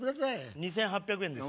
２８００円です